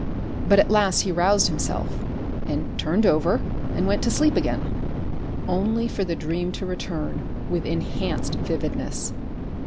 But at last he roused himself, and turned over and went to sleep again, only for the dream to return with enhanced vividness.